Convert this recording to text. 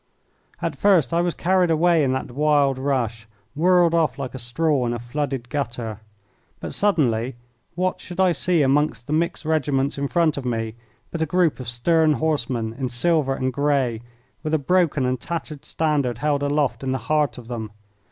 At first I was carried away in that wild rush, whirled off like a straw in a flooded gutter. But, suddenly, what should I see amongst the mixed regiments in front of me but a group of stern horsemen, in silver and grey, with a broken and tattered standard held aloft in the heart of them!